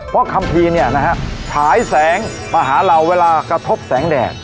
เพราะคัมภีร์เนี่ยนะฮะฉายแสงมาหาเราเวลากระทบแสงแดด